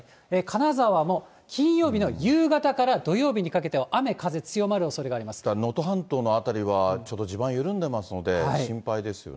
金沢も金曜日の夕方から土曜日にかけては雨、だから能登半島の辺りは、ちょっと地盤緩んでますので、心配ですよね。